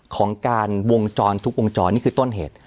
ของการวงจรทุกวงจรนี่คือต้นเหตุ